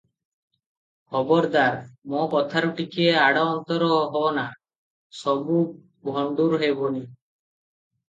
ଖବରଦାର! ମୋ କଥାରୁ ଟିକିଏ ଆଡ଼ ଅନ୍ତର ହୋ ନା, ସବୁ ଭଣ୍ଡୁର ହେବଟି?